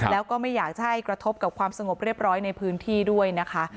แล้วก็ไม่อยากจะให้กระทบกับความสงบเรียบร้อยในพื้นที่ด้วยนะคะ